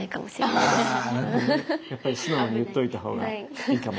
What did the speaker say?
あなるほどね。やっぱり素直に言っといた方がいいかも。